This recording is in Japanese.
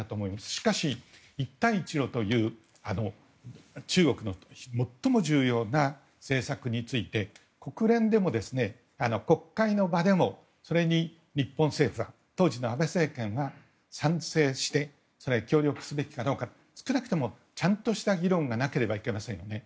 しかし、一帯一路という中国の最も重要な政策について国連でも、国会の場でもそれに日本政府当時の安倍政権は協力すべきかどうか少なくとも、ちゃんとした議論がなければいけませんよね。